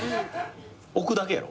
置くだけやろ？